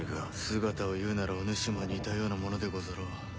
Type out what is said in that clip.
姿をいうならお主も似たようなものでござろう。